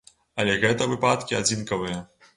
Але гэта выпадкі адзінкавыя.